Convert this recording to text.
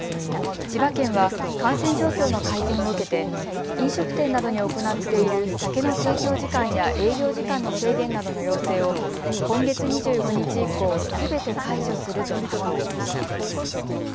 千葉県は感染状況の改善を受けて飲食店などに行っている酒の提供時間や営業時間の制限などの要請を今月２５日以降、すべて解除すると発表しました。